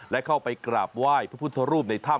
และเข้าไปกราบไหว้พระพุทธรูปในถ้ำ